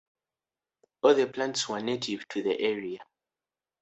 All the plants are native to the area.